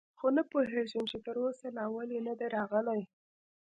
خو نه پوهېږم، چې تراوسه لا ولې نه دي راغلي.